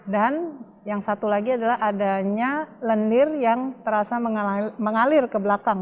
dan yang satu lagi adalah adanya lendir yang terasa mengalir ke belakang